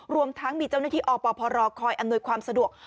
รวมทั้งมีเจ้าหน้าที่อพรคอยอำนวยความสะดวก